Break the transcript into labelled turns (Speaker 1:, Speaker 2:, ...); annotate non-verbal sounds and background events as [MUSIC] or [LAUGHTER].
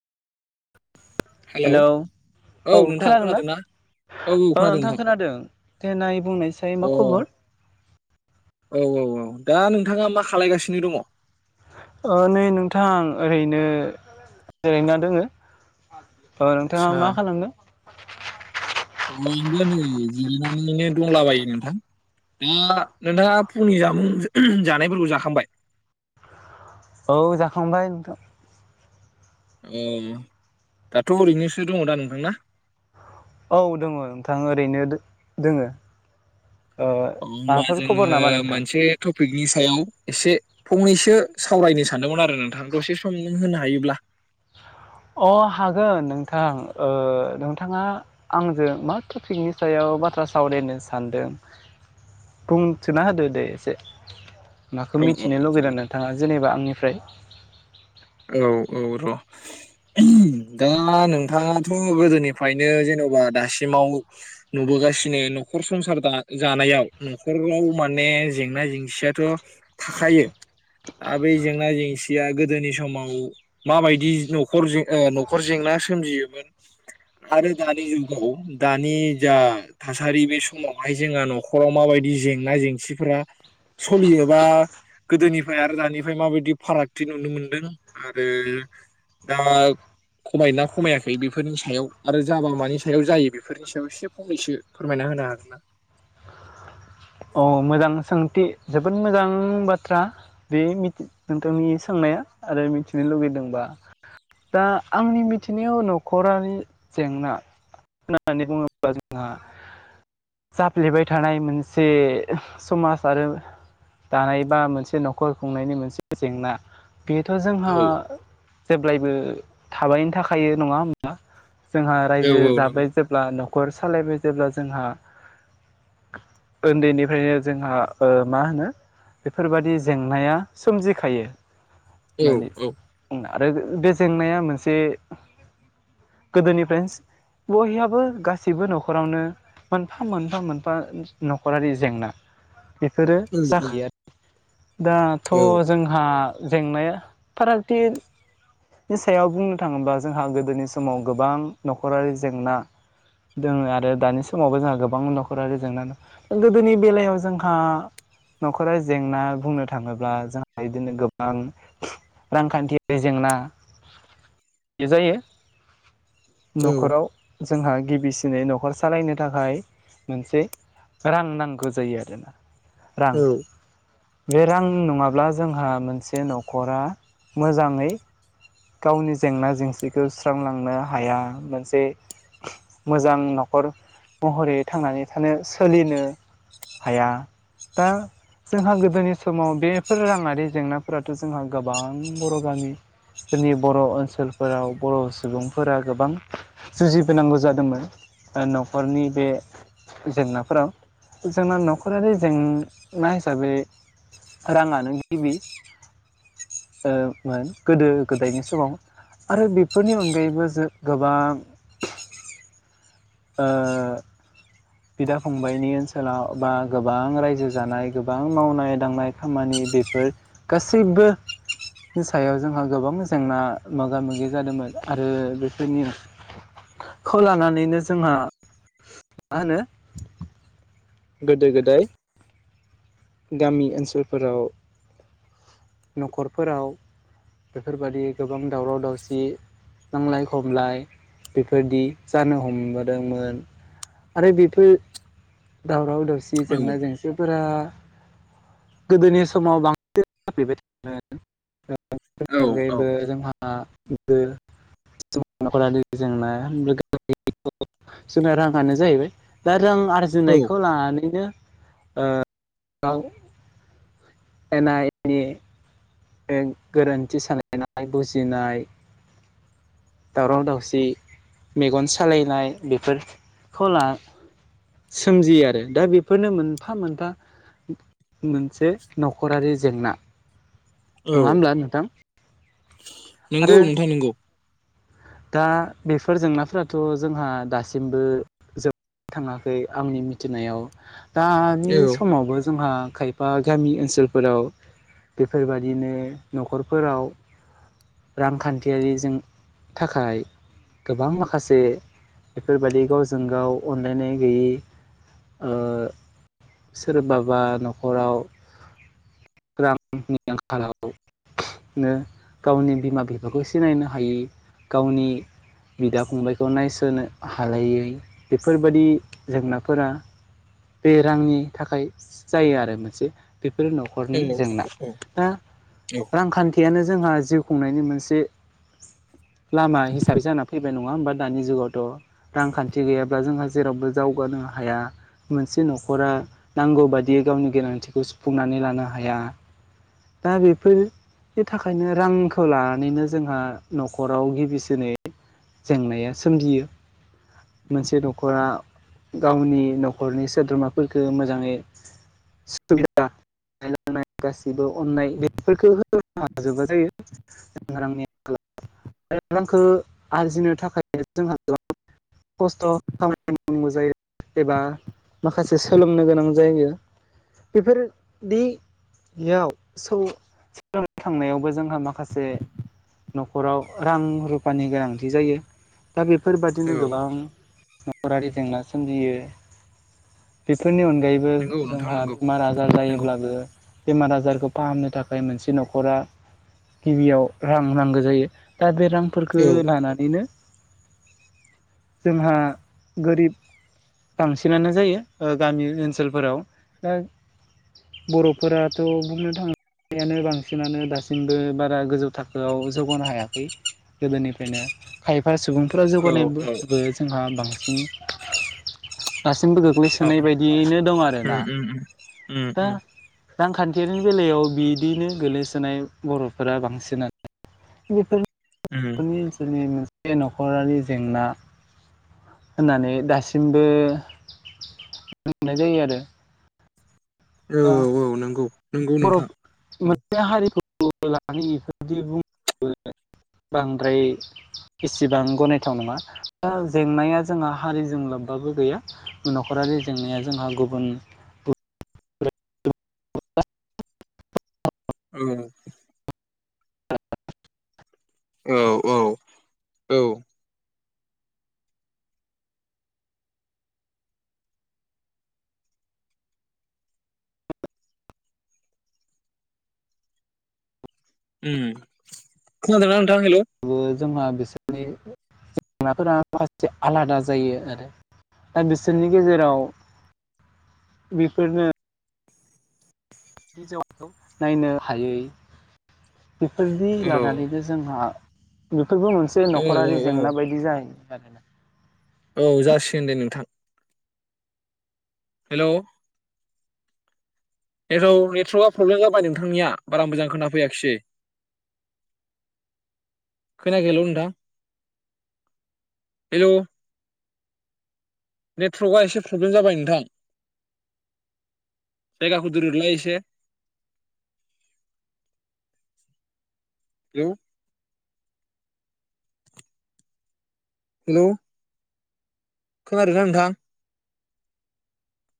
Speaker 1: Hello औ खोनादोंना? ओ नोंथां खोनादों देनाय बुंनायसाय
Speaker 2: अ
Speaker 1: मा खबर
Speaker 2: औ औ औ दा नोंथाङा मा खालायगासिनो दङ?
Speaker 1: ओ नै नोंथां ओरैनो जिरायना दोङो। औ नोंथाङा
Speaker 2: आदसा
Speaker 1: मा खालामदों?
Speaker 2: [UNINTELLIGIBLE] जिरायनानैनो दंलाबायो नोंथां। दा नोंथाङा फुंनि जामुं जानायफोरखौ जाखांबाय?
Speaker 1: औ जाखांबाय नोंथां।
Speaker 2: औ दाथ' ओरैनोसो दङ दा नोंथां ना?
Speaker 1: औ दङ नोंथां ओरैनो दो-दोङो।
Speaker 2: अ होमबा जोङो मोनसे टपिकनि सायाव एसे फंनैसो सावरायनो सानदोंमोन आरो। नोंथां दसे सम होनो हायोब्ला।
Speaker 1: अ हागोन नोंथां ओ नोंथाङा आंजों मा टपिकनि सायाव बाथ्रा सावरायनो सानदों बुंथिना होदो दे एसे।
Speaker 2: औ
Speaker 1: माखौ
Speaker 2: औ
Speaker 1: मिथिनो
Speaker 2: औ
Speaker 1: लुगैदों
Speaker 2: जागोन
Speaker 1: नोंथाङा जेनेबा आंनिफ्राय?
Speaker 2: औ औ र दा नोंथाङाथ' गोदोनिफ्रायनो जेनबा दासिमाव नुबोगासिनो न'खर संसार दाना जानायाव नख'राव माने जेंना जेंसियाथ' थाखायो दा बै जेंना जेंसिया गोदोनि समाव समाव माबायदि न'खर जें ओ नखर जेंना सोमजियोमोन आरो दानि जुगाव दानि जा थासारि बे समावहाय जोंहा नखराव माबायदि जेंना जेंसिफोरा सलियोबा गोदोनिफ्राय आरो दानिफ्राय माबायदि फारागथि नुनो मोनदों आरो दा खमायोना खमायाखै बेफोरनि सायाव आरो जाबा मानि सायाव जायो बेफोरनि सायाव एसे फंनैसो फोरमायना होनो हागोन ना?
Speaker 1: अ मोजां सोंथि जोबोद मोजां बाथ्रा बे नोंथांनि सोंनाया आरो मिथिनो लुगैदोंबा दा आंनि मिथिनायाव नख'रारि जेंना होननानै बुङोब्ला जोंहा जाफ्लेबाय थानाय मोनसे जे समाज आरो दानाय बा मोनसे न'खर खुंनायनि मोनसे जेंना। बेथ' जोंहा जेब्लायबो थाबायनो थाखायो नङा होमबा? जोंहा रायजो जाबाय जेब्ला न न'खर सालायबाय जेब्ला जोंहा उन्दैनिफ्रायनो जोंहा ओ मा होनो बेफोरबादि जेंनाया सोमजिखायो।
Speaker 2: औ
Speaker 1: होननानै
Speaker 2: औ
Speaker 1: आरो बे जेंनाया मोनसे गोदोनिफ्रायनो बयहाबो गासिबो नख'रावनो मोनफा मोनफा मोनफा नख'रारि जेंना। बेफोरो
Speaker 2: नंगौ
Speaker 1: जाखायो आरो‌। दाथ'
Speaker 2: औ
Speaker 1: जोंहा जेंनाया फारागथि नि सायाव बुंनो थाङोबा जोंहा गोदोनि समाव गोबां नख'रारि जेंना दोङो आरो दानि समावबो जोंहा गोबां नख'रारि जेंना दं। गोदोनि बेलायाव जोंहा नख'रारि जेंना बुंनो थाङोब्ला जोंहा बिदिनो गोबां रांखान्थियारि जेंना जायो।
Speaker 2: औ
Speaker 1: नख'राव जोंहा गिबिसिनै न'खर सालायनो थाखाय मोनसे रां नांगौ जायो आरोना। रां
Speaker 2: औ
Speaker 1: बे रां नङाब्ला जोंहा मोनसे न'खरा मोजाङै गावनि जेंना जेंसिखौ सुस्रांलांनो हाया मोनसे मोजां न'खर महरै थांनानै थानो सोलिनो हाया दा जोंहा गोदोनि समाव बेफोर राङारि जेंनाफोराथ' जोंहा गोबां बर' गामि जोंनि बर' ओनसोलफोराव बर' सुबुंफोरा गोबां जुजिबोनांगौ जादोंमोन न'खरनि बे जेंनाफोराव जोंना न'खरारि जेंना हिसाबै राङानो गिबि ओ मोन गोदो गोदायनि समाव आरो बेफोरनि अनगायैबो जों गोबां ओ बिदा फंबाइनि ओनसोलाव बा गोबां रायजो जानाय गोबां मावनाय दांनाय खामानि बेफोर गासैबोनि सायाव जोंहा गोबां जेंना मोगा मोगि जादोंमोन आरो बेफोर निउसखौ लानानैनो जोंहा मा होनो गोदो गोदाय। गामि ओनसोलफोराव न'खरफोराव बेफोरबायदि गोबां दावराव दावसि नांलाय खमलाय बेफोरबादि जानो हमबोदोंमोन आरो बेफोर दावराव दाव सि
Speaker 2: औ
Speaker 1: जेंना जेंसिफोरा गोदोनि समाव बांसिन [UNINTELLIGIBLE] [UNINTELLIGIBLE]
Speaker 2: औ
Speaker 1: अनगायैबो
Speaker 2: औ
Speaker 1: जोंहा [UNINTELLIGIBLE] नखरारि जेंना [UNINTELLIGIBLE] जोंना रांआ नो जाहैबाय दा जों आरजिनायखौ लानानैनो ओ गाव एना एनि गोरोनथि सानलायनाय बुजिनाय दावराव दावसि मेगन सालायनाय बेफोरखौ ला सोमजियो आरो दा बेफोरनो मोनफा मोनफा मोनसे न'खरारि जेंना।
Speaker 2: औ
Speaker 1: नङा होनब्ला नोंथां?
Speaker 2: नंगौ
Speaker 1: आरो
Speaker 2: नोंथां नंगौ
Speaker 1: दा बेफोर जेंनाफोराथ' जोंहा दासिमबो जोबनो थाङाखै आंनि मिथिनायाव दानि
Speaker 2: औ
Speaker 1: समावबो जोंहा खायफा गामि ओनसोलफोराव बेफोरबायदिनो न'खरफोराव रांखानथियारिजों थाखाय गोबां माखासे बेफोरबायदि गावजों गाव अनलायनाय गैयै ओ सोरबाबा न'खराव रांनि आंखालावनो गावनि बिमा बिफाखौ सिनायनो हायै गावनि बिदा फंबायखौ नायसोनो हालायै बेफोरबायादि जेंनाफोरा बे रांनि थाखाय जायो आरो मोनसे बेफोरो न'खरनि जेंना दा रांखानथियानो जोंहा जिउ खुंनायनि मोनसे लामा हिसाबै जाना फैबाय नं नङा होमा दानि जुगावथ' रांखानथि गैयाब्ला जोंहा जेरावबो जावगानो हाया मोनसे न'खरा नांगौ बादियै गावनि गोनांथिखौ सुफुंनानै लानो हाया दा बेफोरनि थाखायनो रांखौ लानानैनो जोंहा न'खराव गिबिसिनै जेंनाया सोमजियो मोनसे न'खरा गावनि न'खरनि सोद्रोमाफोरफोरखौ मोजाङै सुबिदा लोंनाय गासैबो अननाय बेफोरखौ होनो हाजोबा जायो [UNINTELLIGIBLE] रांखौ आरजिनो थाखाय जोंहा गोबां खस्थ' खामानि मावांगौ जायो एबा माखासे सोलोंनो गोनां जायो बेफोरदियाव सौ सोलोंनो थांनायावबो जों आहा माखासे न'खराव रां रुफानि गोनांथि जायो दा बेफोरबादिनो
Speaker 2: औ औ
Speaker 1: गोबां न'खरारि जेंना सोमजियो बेफोरनि अन गायैबो
Speaker 2: नंगौ नोंथां
Speaker 1: जोंहा
Speaker 2: नंगौ
Speaker 1: बेमार आजार
Speaker 2: नंगौ
Speaker 1: जायोब्लाबो बेमार आजार खौ फाहामनो थाखाय मोनसे न'खरा गिबियाव रां नांगौ जायो। बे रांफोरखौ
Speaker 2: औ
Speaker 1: लानानैनो जोंहा गोरिब बांसिनानो जायो ओ गामि ओनसोलफोराव दा बर'फोराथ' बुंनो थांनायानो बांसिनानो दासिम बारा गोजौ थाखोआव जौगानो
Speaker 2: औ औ औ उम उम उम उम
Speaker 1: बर'फोरा बांसिनानो
Speaker 2: उम
Speaker 1: बेफोरनि [UNINTELLIGIBLE] मोनसे न'खरारि जेंना होननानै दासिमबो मोननाय जायो आरो
Speaker 2: औ
Speaker 1: [UNINTELLIGIBLE]
Speaker 2: नंगौ नंगौ नोंथां
Speaker 1: बरफ
Speaker 2: नंगौ
Speaker 1: हारिखौ लानानै बेफोरबायदि [UNINTELLIGIBLE] बांद्राय इसेबां गनायथाव नङा दा जेंनाया जोंहा हारिजों लोब्बाबो गैया न'खरारि जेंनाया जोंहा गुबुन
Speaker 2: औ औ औ औ उम खोनादोंना नो
Speaker 1: बो जोंना बिसोरनि जेंनाफोरा माखासे आलादा जायो आरो दा बिसोरनि गेजेराव बेफोरनो [UNINTELLIGIBLE] नायनो हायै बेफोरदि
Speaker 2: औ
Speaker 1: लानानैनो जोंहा [UNINTELLIGIBLE] बेबो मोनसे
Speaker 2: औ
Speaker 1: नखरारि
Speaker 2: औ
Speaker 1: जेंना बायदि जायो। [UNINTELLIGIBLE]
Speaker 2: औ जासिगोन दे नोंथां हेल' हेल' नेटर्कआ प्रब्लेम जाबाय नोंथांनिया बारा मोजां खोनाफैयाखिसै खोनायाखै हेल' नोंथां हेल' नेटर्वकआ एसे प्रब्लेम जाबाय नोंथां जायगाखौ दोरदलाय एसे [UNINTELLIGIBLE] हेल' खोनादोंना नोंथां